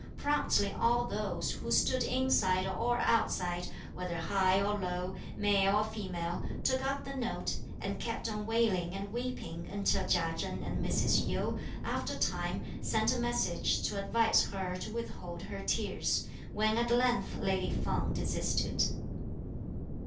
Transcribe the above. Promptly all those, who stood inside or outside, whether high or low, male or female, took up the note, and kept on wailing and weeping until Chia Chen and Mrs. Yu, after a time, sent a message to advise her to withhold her tears; when at length lady Feng desisted.